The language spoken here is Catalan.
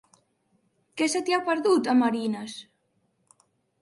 Què se t'hi ha perdut, a Marines?